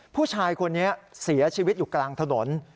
ผู้ชายคนนี้เสียชีวิตอยู่กลางถนน